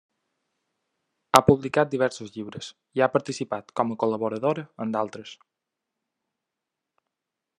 Ha publicat diversos llibres i ha participat com a col·laboradora en d'altres.